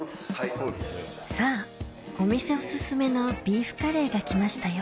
さぁお店おすすめのビーフカレーが来ましたよ